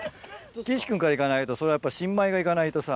岸君から行かないとそれやっぱ新米が行かないとさ。